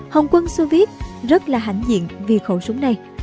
hồng quân soviet rất là hãnh diện vì khẩu súng này